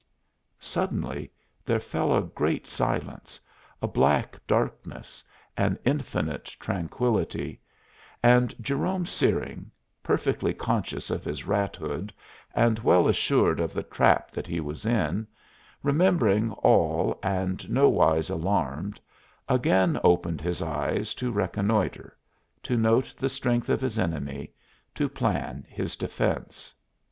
Suddenly there fell a great silence, a black darkness, an infinite tranquillity, and Jerome Searing, perfectly conscious of his rathood, and well assured of the trap that he was in, remembering all and nowise alarmed, again opened his eyes to reconnoitre, to note the strength of his enemy, to plan his defense.